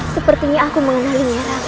sepertinya aku tidak bisa membongkar mantra itu